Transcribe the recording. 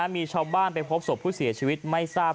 มีชาวบ้านไปพบศพผู้เสียชีวิตไม่ทราบ